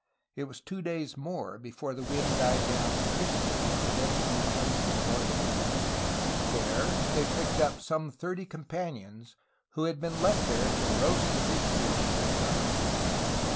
It was two days more before the wind died down sufficiently for them to return to the northern end. There they picked up some thirty com panions who had been left there to roast the big fish and guard it.